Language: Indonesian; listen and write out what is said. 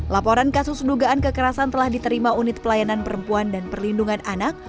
laporan kasus dugaan kekerasan telah diterima unit pelayanan perempuan dan perlindungan anak